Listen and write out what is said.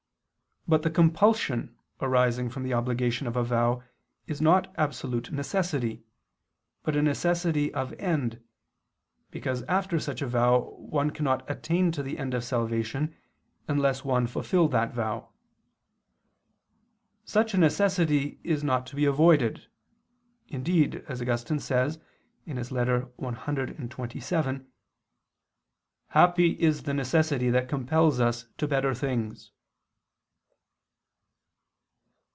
But the compulsion arising from the obligation of a vow is not absolute necessity, but a necessity of end, because after such a vow one cannot attain to the end of salvation unless one fulfil that vow. Such a necessity is not to be avoided; indeed, as Augustine says (Ep. cxxvii ad Armentar. et Paulin.), "happy is the necessity that compels us to better things."